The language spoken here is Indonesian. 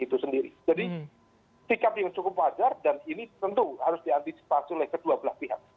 jadi sikap yang cukup wajar dan ini tentu harus diantisipasi oleh kedua belah pihak